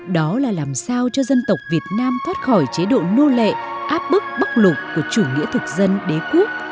đó là làm sao cho dân tộc việt nam thoát khỏi chế độ nô lệ áp bức bóc lục của chủ nghĩa thực dân đế quốc